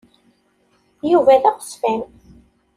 Yuba d aɣezfan.